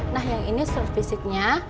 nah ini surat fisiknya